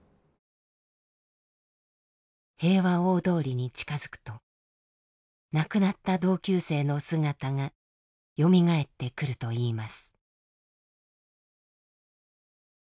平和大通りに近づくと亡くなった同級生の姿がよみがえってくるといいます。